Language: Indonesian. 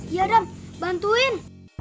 iya adam bantuin